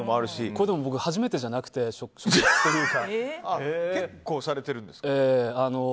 これでも、僕初めてじゃなくて結構されているんですか？